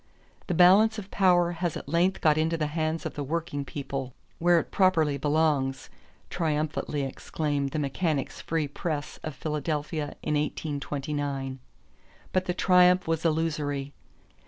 "The balance of power has at length got into the hands of the working people, where it properly belongs," triumphantly exclaimed the Mechanics' Free Press of Philadelphia in 1829. But the triumph was illusory.